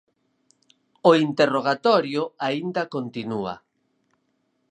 O interrogatorio aínda continúa.